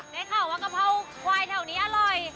ได้ข่าวว่ากะเพราควายแถวนี้อร่อย